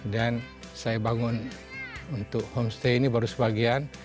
dan saya bangun untuk homestay ini baru sebagian